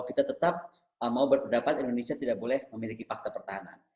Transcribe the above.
kita tetap mau berpendapat indonesia tidak boleh memiliki fakta pertahanan